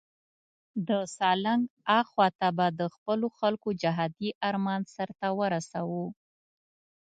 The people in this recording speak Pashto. د سالنګ اخواته به د خپلو خلکو جهادي آرمان سرته ورسوو.